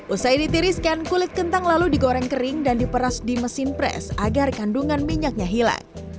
usai ditiriskan kulit kentang lalu digoreng kering dan diperas di mesin pres agar kandungan minyaknya hilang